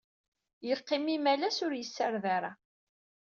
Yeqqim imalas ur yessared ara.